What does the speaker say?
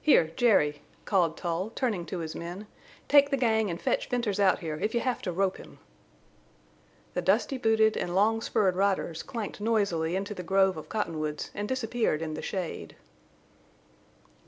"Here, Jerry," called Tull, turning to his men, "take the gang and fetch Venters out here if you have to rope him." The dusty booted and long spurred riders clanked noisily into the grove of cottonwoods and disappeared in the shade.